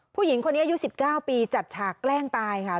ผู้หญิงคนนี้อายุ๑๙ปีจัดฉากแกล้งตายค่ะ